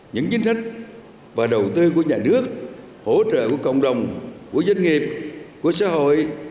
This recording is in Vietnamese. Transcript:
những chính sách và đầu tư của nhà nước hỗ trợ của cộng đồng của doanh nghiệp của xã hội